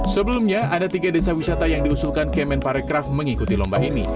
sebelumnya ada tiga desa wisata yang diusulkan kemen parekraf mengikuti lomba ini